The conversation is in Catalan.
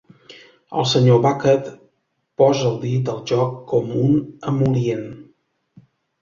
El Sr. Bucket posa el dit al joc com un emol·lient.